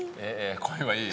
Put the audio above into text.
恋はいい？